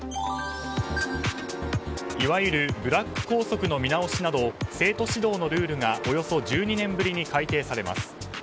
いわゆるブラック校則の見直しなど生徒指導のルールがおよそ１２年ぶりに改訂されます。